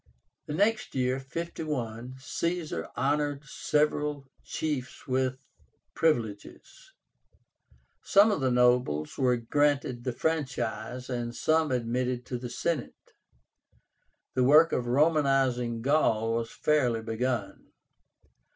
The next year (51) Caesar honored several chiefs with privileges; some of the nobles were granted the franchise, and some admitted to the Senate. The work of Romanizing Gaul was fairly begun.